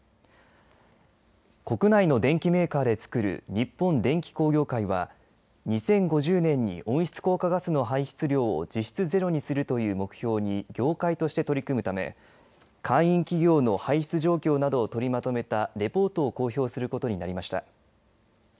国内の電機メーカーで作る日本電機工業会は２０５０年に温室効果ガスの排出量を実質ゼロにするという目標に業界として取り組むため会員企業の排出状況などを取りまとめたレポートを公表することになりました。